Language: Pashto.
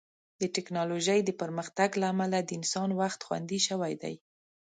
د ټیکنالوژۍ د پرمختګ له امله د انسان وخت خوندي شوی دی.